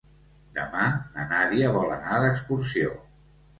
Demà na Nàdia vol anar d'excursió.